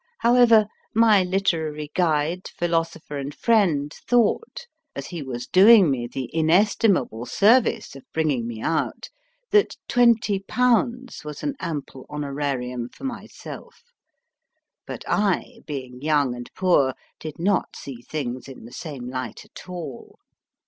However, my literary guide, philosopher, and friend thought, as he was doing me the inestimable service of bringing me out, that 2O/. was an ample honorarium for myself; but I, being young and poor, did not see things in the same light at all.